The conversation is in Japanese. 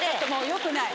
よくない。